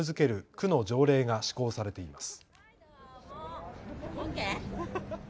区の条例が施行されています。